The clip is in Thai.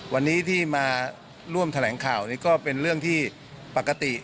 วันนี้ที่มาร่วมแถลงข่าวนี้ก็เป็นเรื่องที่ปกติ